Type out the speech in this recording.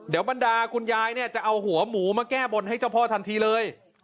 เดี๋ยวบรรดาคุณยายเนี่ยจะเอาหัวหมูมาแก้บนให้เจ้าพ่อทันทีเลย